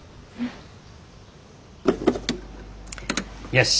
よし！